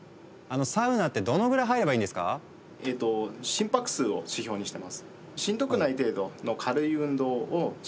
心拍数を指標にしてます。